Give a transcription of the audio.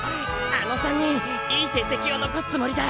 あの３人いい成績を残すつもりだ！